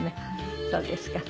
そうですか。